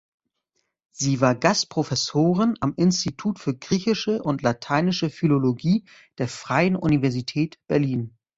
Sie war Gastprofessorin am Institut für Griechische und Lateinische Philologie der Freien Universität Berlin.